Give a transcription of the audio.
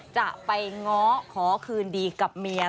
จะไปง้อขอคืนดีกับเมีย